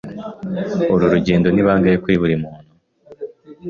Uru rugendo ni bangahe kuri buri muntu?